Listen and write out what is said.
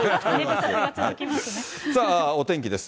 さあお天気です。